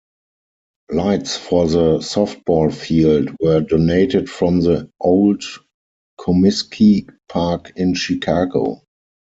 Lights for the softball field were donated from the old Comiskey Park in Chicago.